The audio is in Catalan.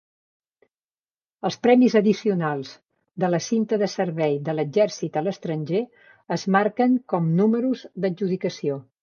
Els premis addicionals de la Cinta de Servei de l'Exercit a l'Estranger es marquen com números d'adjudicació.